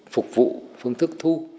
phục vụ phương thức thu